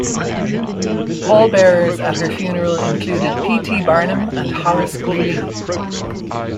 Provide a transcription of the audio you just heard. The pallbearers at her funeral included P. T. Barnum and Horace Greeley.